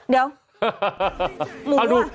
เดี๋ยวหมูอ่ะ